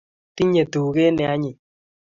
Tinye tugee ne anyiny